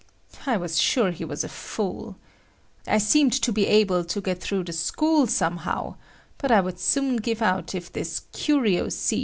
I was sure he was a fool. I seemed to be able to get through the school somehow, but I would soon give out if this "curio siege" kept on long.